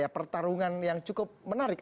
pertarungan yang cukup menarik